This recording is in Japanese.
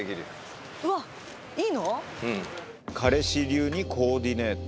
彼氏流にコーディネート。